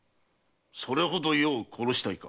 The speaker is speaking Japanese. それほど余を殺したいか？